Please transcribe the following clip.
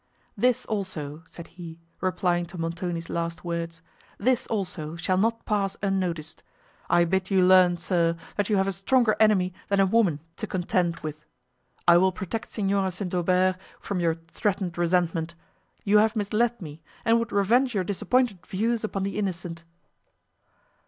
"This also," said he, replying to Montoni's last words, "this also, shall not pass unnoticed. I bid you learn, sir, that you have a stronger enemy than a woman to contend with: I will protect Signora St. Aubert from your threatened resentment. You have misled me, and would revenge your disappointed views upon the innocent."